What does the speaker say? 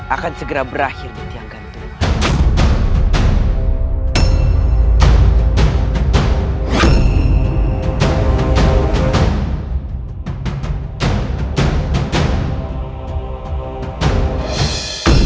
akan segera berakhir di tiang gantung